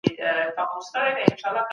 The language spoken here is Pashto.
علمي وړتیا انسان ته ځواک وربخښي.